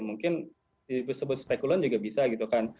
mungkin disebut spekulan juga bisa gitu kan